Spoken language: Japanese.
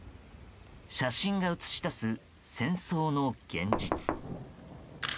写真が写し出す戦争の現実。